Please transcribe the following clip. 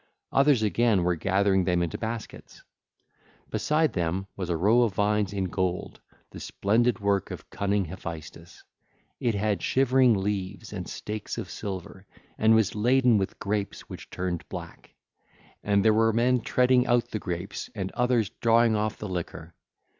Others again were gathering them into baskets. Beside them was a row of vines in gold, the splendid work of cunning Hephaestus: it had shivering leaves and stakes of silver and was laden with grapes which turned black 1805. And there were men treading out the grapes and others drawing off liquor.